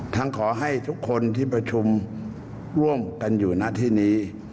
ขอให้ทุกคนที่ประชุมร่วมกันอยู่หน้าที่นี้